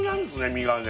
身がね